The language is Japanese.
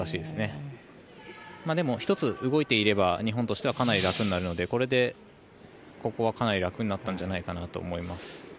でも、１つ動いていれば日本としてはかなり楽になるのでこれでここはかなり楽になったんじゃないかなと思います。